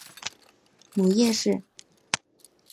母叶氏。